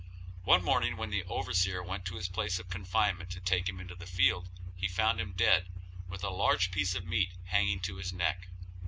One morning when the overseer went to his place of confinement to take him into the field, he found him dead, with a large piece of meat hanging to his neck.